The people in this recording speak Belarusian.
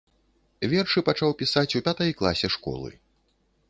Вершы пачаў пісаць у пятай класе школы.